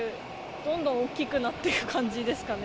どんどん大きくなっていく感じですかね。